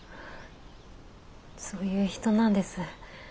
そういう人なんです。